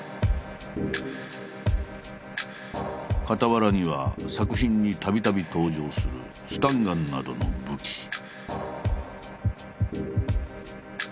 傍らには作品にたびたび登場するスタンガンなどの武器。